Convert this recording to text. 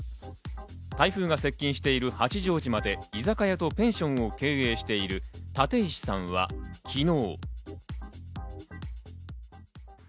台風が接近している八丈島で居酒屋とペンションを経営している立石さんは昨日。